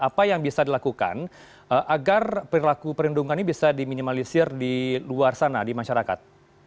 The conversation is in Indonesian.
apa yang bisa dilakukan agar perilaku perundungan ini bisa diminimalisir di luar sana di masyarakat